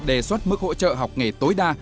đề xuất mức hỗ trợ học nghề tối đa